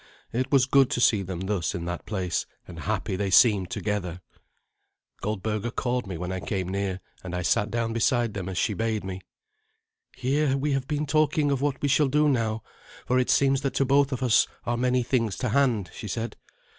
It was good to see them thus in that place, and happy they seemed together. Goldberga called me when I came near, and I sat down beside them as she bade me. "Here we have been talking of what we shall do now, for it seems that to both of us are many things to hand," she said.